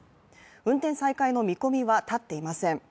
運転再開の見込みは立っていません。